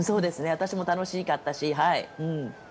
私も楽しかったし。